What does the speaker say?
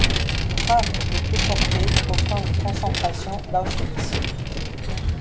Rafle de déportés au camp de concentration d'Auschwitz.